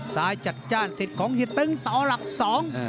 สายจัดจ้านเสร็จของเฮียตึงต่อหลักสอง